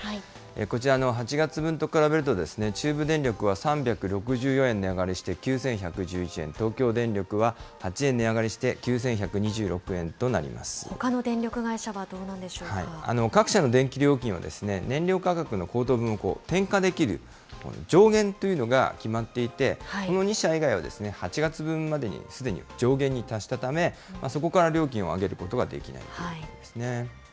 こちらの８月分と比べると、中部電力は３６４円値上がりして９１１１円、東京電力は８円値上がりほかの電力会社はどうなんで各社の電気料金は、燃料価格の高騰分を転嫁できる上限というのが決まっていて、この２社以外は、８月分までにすでに上限に達したため、そこから料金を上げることはできないんですね。